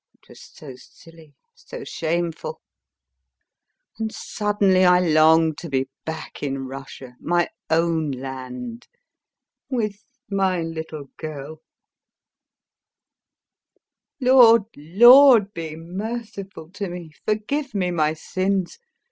It was so silly, so shameful.... And suddenly I longed to be back in Russia, my own land, with my little girl.... [Wipes her tears] Lord, Lord be merciful to me, forgive me my sins!